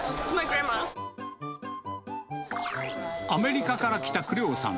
アメリカから来たクレオさん。